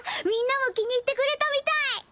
みんなも気に入ってくれたみたい！